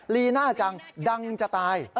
ลีน่าจังดังจะตาย